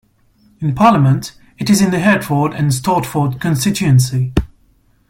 In Parliament, it is in the Hertford and Stortford constituency.